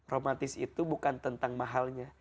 romantis itu bukan tentang mahalnya